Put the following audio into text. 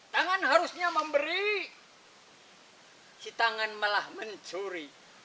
tangan harusnya memberi si tangan malah mencuri